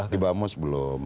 di bamus belum